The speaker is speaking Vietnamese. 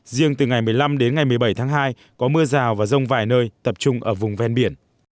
riêng từ ngày một mươi năm đến ngày một mươi bảy tháng hai có mưa rào và rông vài nơi tập trung ở vùng ven biển